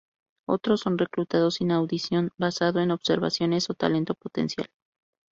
Otros son reclutados sin audición, basado en observaciones o talento potencial.